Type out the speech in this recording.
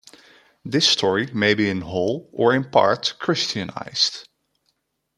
This story may be in whole or in part Christianized.